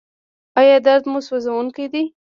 ایا درد مو سوځونکی دی؟